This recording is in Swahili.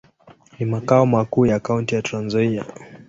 Ni makao makuu ya kaunti ya Trans-Nzoia.